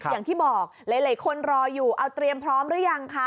อย่างที่บอกหลายคนรออยู่เอาเตรียมพร้อมหรือยังคะ